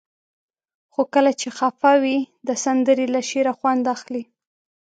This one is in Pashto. خو کله چې خفه وئ؛ د سندرې له شعره خوند اخلئ.